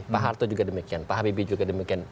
pak harto juga demikian pak habibie juga demikian